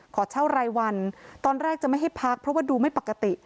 ขอเช่ารายวันตอนแรกจะไม่ให้พักเพราะว่าดูไม่ปกติ